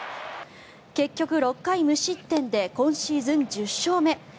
結局、６回無失点で今シーズン１０勝目。